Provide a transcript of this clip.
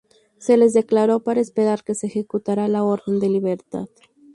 Se les declaró para esperar que se ejecutara la orden de libertad.